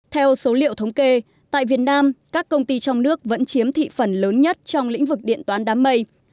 theo số liệu thống kê tại việt nam các công ty trong nước vẫn chiếm thị phần lớn nhất trong lĩnh vực điện toán đám mây